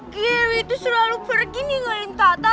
gary tuh selalu pergi ninggalin tata